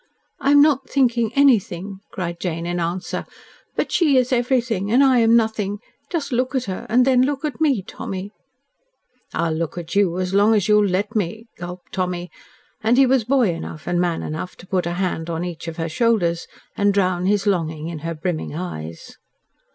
"I am not thinking anything," cried Jane in answer. "But she is everything, and I am nothing. Just look at her and then look at me, Tommy." "I'll look at you as long as you'll let me," gulped Tommy, and he was boy enough and man enough to put a hand on each of her shoulders, and drown his longing in her brimming eyes.